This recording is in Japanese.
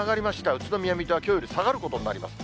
宇都宮、水戸はきょうより下がることになります。